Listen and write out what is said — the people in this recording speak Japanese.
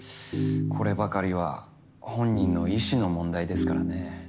こればかりは本人の意志の問題ですからね。